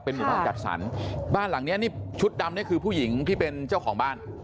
หมู่บ้านจัดสรรบ้านหลังเนี้ยนี่ชุดดำนี่คือผู้หญิงที่เป็นเจ้าของบ้าน